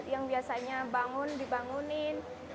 yang biasanya bangun dibangunin